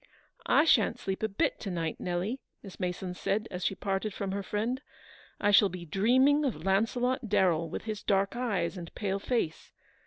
"I shan't sleep a bit to night, Nelly/' Miss Mason said, as she parted from her friend. Ci I shall be dreaming of Launcelot Darrell, with his dark eyes and pale face.